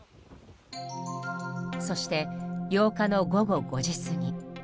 そして８日の午後５時過ぎ。